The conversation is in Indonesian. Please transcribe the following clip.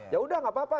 ya udah nggak apa apa